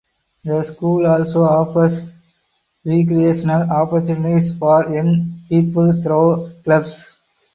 The school also offers recreational opportunities for young people through clubs.